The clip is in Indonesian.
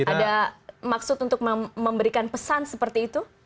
ada maksud untuk memberikan pesan seperti itu